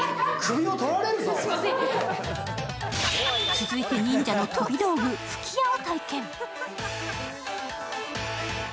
続いて、忍者の飛び道具・吹き矢を体験。